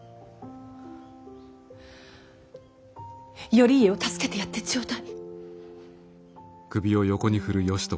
頼家を助けてやってちょうだい。